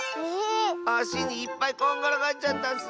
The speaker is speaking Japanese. あしにいっぱいこんがらがっちゃったッス！